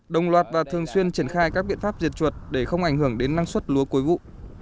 đồng loạt và thường xuyên triển khai các biện pháp diệt chuột để không ảnh hưởng đến năng suất lúa cuối vụ